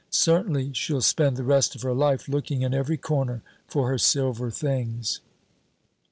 Certainly, she'll spend the rest of her life looking in every corner for her silver things."